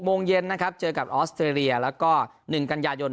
โมงเย็นนะครับเจอกับออสเตรเลียแล้วก็๑กันยายน